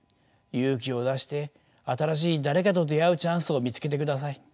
勇気を出して新しい誰かと出会うチャンスを見つけてください。